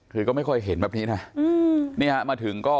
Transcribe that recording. คือก็ไม่ค่อยเห็นแบบนี้นะนี่ฮะมาถึงก็